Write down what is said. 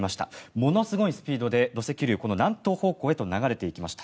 ものすごいスピードで土石流、南東方向へと流れていきました。